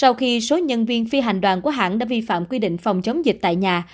vì số nhân viên phi hành đoàn của hãng đã vi phạm quy định phòng chống dịch tại nhà